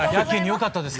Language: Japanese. よかったです。